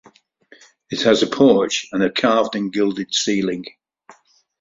It has a porch and a carved and gilded ceiling.